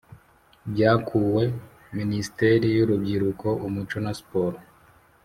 byakuwe:minisiteri y’urubyiruko, umuco na siporo